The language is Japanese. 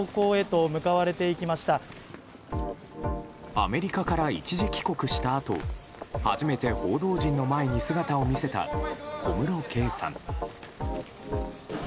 アメリカから一時帰国したあと初めて報道陣の前に姿を見せた小室圭さん。